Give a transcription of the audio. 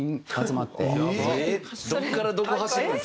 どこからどこ走るんですか？